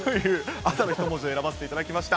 朝の一文字を選ばせていただきました。